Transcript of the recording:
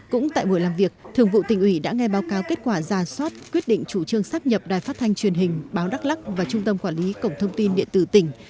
cũng tại buổi làm việc thường vụ tỉnh ủy đã nghe báo cáo kết quả ra soát quyết định chủ trương sắp nhập đài phát thanh truyền hình báo đắk lắc và trung tâm quản lý cổng thông tin điện tử tỉnh